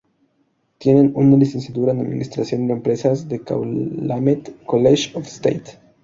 Tiene una licenciatura en administración de empresas de Calumet College of St.